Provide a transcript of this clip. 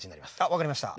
分かりました。